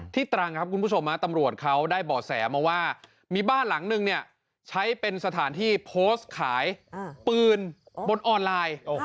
ตรังครับคุณผู้ชมตำรวจเขาได้บ่อแสมาว่ามีบ้านหลังนึงเนี่ยใช้เป็นสถานที่โพสต์ขายปืนบนออนไลน์